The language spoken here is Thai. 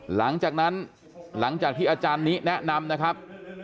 หลังจากนั้นหลังจากที่อาจารย์นี้แนะนำนะครับ